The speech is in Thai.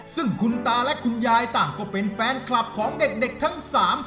ซึ่งคุณตาและคุณยายต่างก็เป็นแฟนคลับของเด็กเด็กทั้งสาม